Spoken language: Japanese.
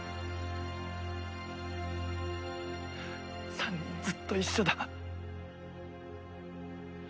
３人ずっと一緒だ。